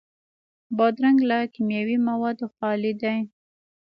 بادرنګ له کیمیاوي موادو خالي دی.